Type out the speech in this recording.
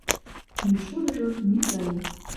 Мӱйшудыжо мӱй гане